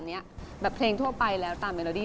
มันไม่ใช่แค่ร้องอย่างเดียวที่พอ